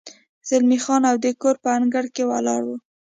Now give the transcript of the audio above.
زلمی خان او د کور په انګړ کې ولاړ و.